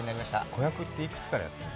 子役って、幾つからやってるの？